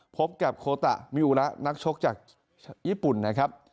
พบกับโคตะมิอุระนักชกจากญี่ปุ่นนะครับ